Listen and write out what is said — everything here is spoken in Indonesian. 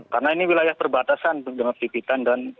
karena ini wilayah perbatasan dengan pipitan dan